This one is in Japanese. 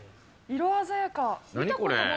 色鮮やか。